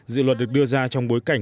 dự luật được đưa ra trong bối cảnh